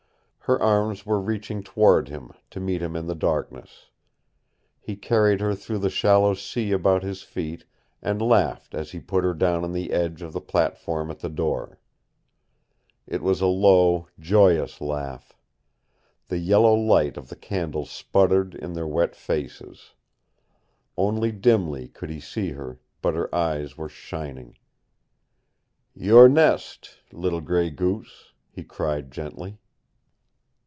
Her arms were reaching toward him, to meet him in the darkness. He carried her through the shallow sea about his feet and laughed as he put her down on the edge of the platform at the door. It was a low, joyous laugh. The yellow light of the candle sputtered in their wet faces. Only dimly could he see her, but her eyes were shining. "Your nest, little Gray Goose," he cried gently.